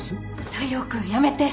大陽君やめて。